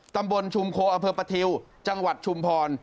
ตำบลชุมโคอัพพธิวจังหวัดชุมพร